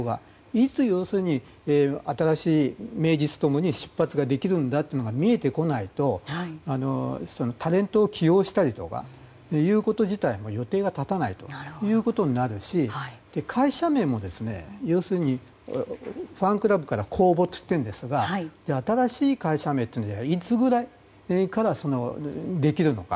いつ要するに、名実ともに新しい出発ができるんだというのが見えてこないとタレントを起用したりとかいうこと自体も予定が立たないことになるし会社名も、ファンクラブから公募と言っていますがじゃあ、新しい会社名はいつぐらいからできるのか。